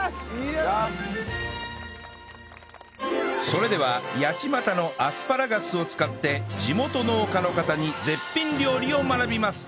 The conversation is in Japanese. それでは八街のアスパラガスを使って地元農家の方に絶品料理を学びます